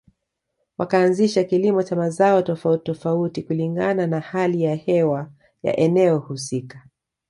Wakaanzisha kilimo cha mazao tofauti tofauti kulingana na hali ya hewa ya eneo husika